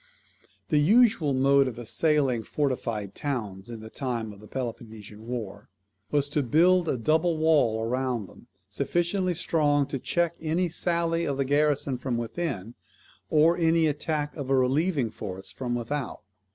The usual mode of assailing fortified towns in the time of the Peloponnesian war, was to build a double wall round them, sufficiently strong to check any sally of the garrison from within, or any attack of a relieving force from without.